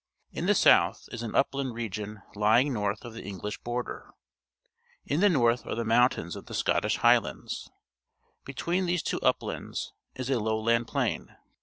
In the south is an upland region Ijang north of the EngUsh border. In the north are the moxintains of the Scottish IIighlmid.s. Be tween these two uplands is a lowland plain.